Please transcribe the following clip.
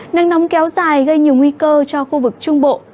nắng nóng kéo dài gây nhiều nguy cơ cho khu vực trung bộ